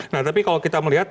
nah tapi kalau kita melihat